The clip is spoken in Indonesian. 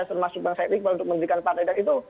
termasuk bang said iqbal untuk menjadikan partai itu